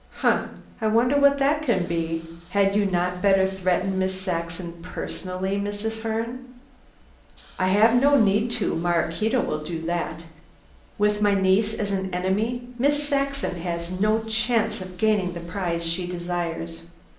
"Humph! I wonder what that can be. Had you not better threaten Miss Saxon personally, Mrs. Herne?" "I have no need to, Maraquito will do that. With my niece as an enemy, Miss Saxon has no chance of gaining the prize she desires."